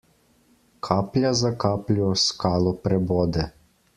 Kaplja za kapljo skalo prebode.